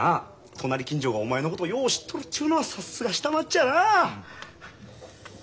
隣近所がお前のことよう知っとるっちゅうのはさすが下町やなあ。